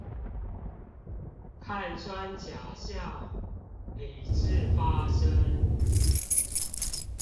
看穿假象、理智發聲